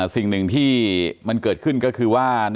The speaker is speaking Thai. สิ่งหนึ่งที่เห้ยมันเกิดขึ้นก็คือ